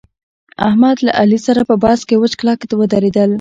احمد له علي سره په بحث کې وچ کلک ودرېدل